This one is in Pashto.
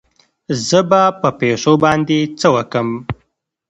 زه به په پيسو باندې څه وکم.